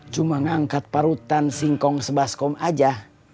cuma ngangkat parutan singkong sebaskom aja